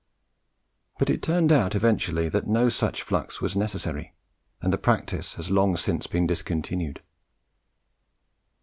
But it turned out eventually that no such flux was necessary, and the practice has long since been discontinued.